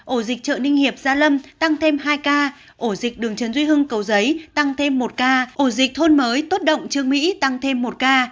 ổ dịch chợ ninh hiệp gia lâm tăng thêm hai ca ổ dịch đường trần duy hưng cầu giấy tăng thêm một ca ổ dịch thôn mới tốt động trương mỹ tăng thêm một ca